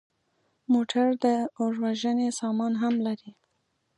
موټر د اور وژنې سامان هم لري.